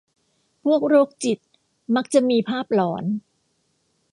พวกโรคจิตมักจะมีภาพหลอน